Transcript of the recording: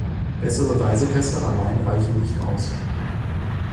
Bessere Reisepässe allein reichen nicht aus.